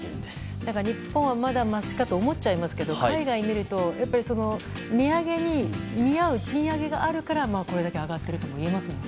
だから日本はまだましかと思っちゃいますけど海外を見ると値上げに見合う賃上げがあるからこれだけ上がっているとも言えますもんね。